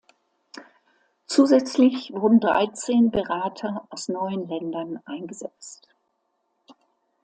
Zusätzlich wurden dreizehn Berater aus neun Ländern eingesetzt.